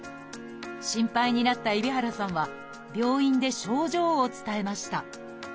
心配になった海老原さんは病院で症状を伝えました。